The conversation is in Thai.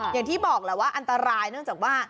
อย่างที่บอกแหละว่าอันตรายเนื่องจากว่า